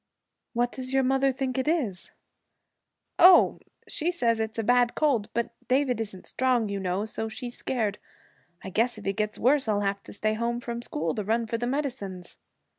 'What does your mother think it is?' 'Oh, she says it's a bad cold; but David isn't strong, you know, so she's scared. I guess if he gets worse I'll have to stay home from school to run for the medicines.'